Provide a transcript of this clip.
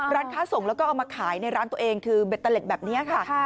ร้านค้าส่งแล้วก็เอามาขายในร้านตัวเองคือเบตเตอร์เล็ตแบบนี้ค่ะ